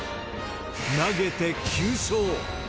投げて、９勝。